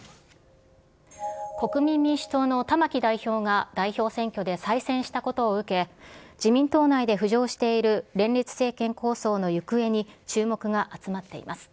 国民民主党の玉木代表が代表選挙で再選したことを受け、自民党内で浮上している連立政権構想の行方に注目が集まっています。